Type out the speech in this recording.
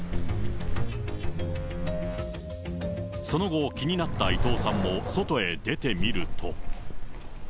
その後、気になった伊藤さんも外へ出てみると。